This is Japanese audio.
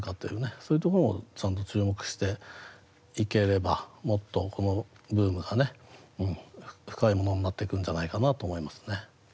そういうとこもちゃんと注目していければもっとこのブームがね深いものになっていくんじゃないかなと思いますね。